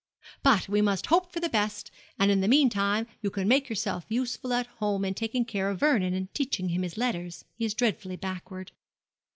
But we must hope for the best, and in the meantime you can make yourself useful at home in taking care of Vernon and teaching him his letters. He is dreadfully backward.'